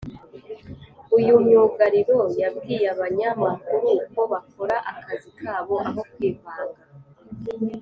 uyu myugariro yabwiye abanyamakuru ko bakora akazi kabo aho kwivanga